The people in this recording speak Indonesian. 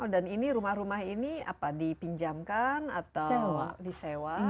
dan ini rumah rumah ini apa dipinjamkan atau disewa